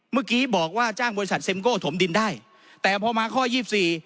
เมื่อกี้บอกว่าจ้างบริษัทเมโก้ถมดินได้แต่พอมาข้อยี่สิบสี่